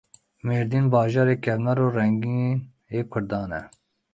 Mêrdîn bajarê kevnar û rengîn ê kurdan e.